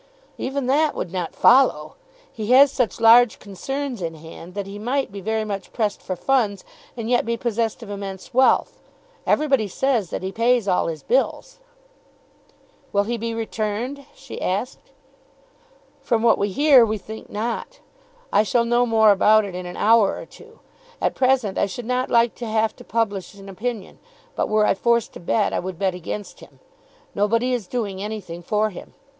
"Even that would not follow. He has such large concerns in hand that he might be very much pressed for funds, and yet be possessed of immense wealth. Everybody says that he pays all his bills." "Will he be returned?" she asked. "From what we hear, we think not. I shall know more about it in an hour or two. At present I should not like to have to publish an opinion; but were I forced to bet, I would bet against him. Nobody is doing anything for him.